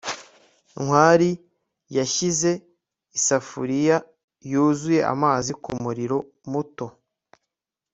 ntwali yashyize isafuriya yuzuye amazi kumuriro muto